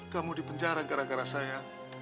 kamu dipenjara gara gara saya